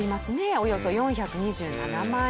およそ４２７万円。